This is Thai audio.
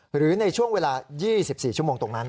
หรือในช่วงเวลา๒๔ชั่วโมงตรงนั้น